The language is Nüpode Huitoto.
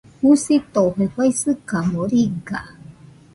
Jusitofe faɨsɨkamo riga.